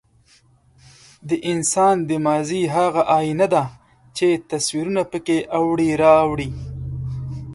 د انسان د ماضي هغه ایینه ده، چې تصویرونه پکې اوړي را اوړي.